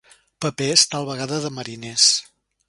Papers, tal vegada de mariners.